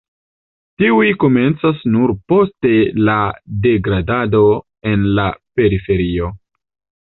Tiuj komencas nur poste la degradado en la periferio.